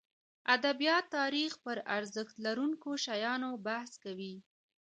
ادبیات تاریخ پرارزښت لرونکو شیانو بحث کوي.